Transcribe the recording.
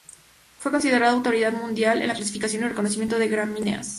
Fue considerado "autoridad mundial en la clasificación y reconocimiento de gramíneas".